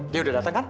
dia udah dateng kan